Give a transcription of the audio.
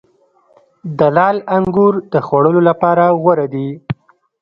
د لعل انګور د خوړلو لپاره غوره دي.